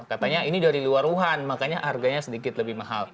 katanya ini dari luar wuhan makanya harganya sedikit lebih mahal